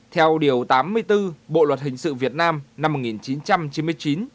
theo điều tám mươi bốn bộ luật hình sự việt nam năm một nghìn chín trăm chín mươi chín